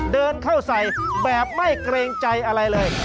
เดินเข้าใส่แบบไม่เกรงใจอะไรเลย